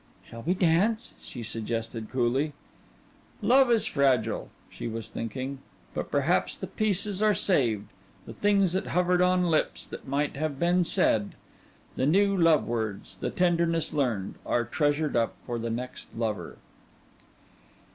"Shall we dance?" she suggested, coolly. Love is fragile she was thinking but perhaps the pieces are saved, the things that hovered on lips, that might have been said. The new love words, the tendernesses learned, are treasured up for the next lover.